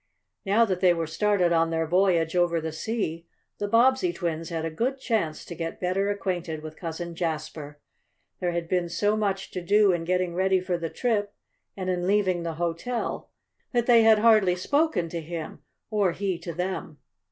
Now that they were started on their voyage over the sea the Bobbsey twins had a good chance to get better acquainted with Cousin Jasper. There had been so much to do in getting ready for the trip and in leaving the hotel that they had hardly spoken to him, or he to them.